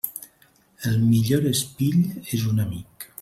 El millor espill és un amic.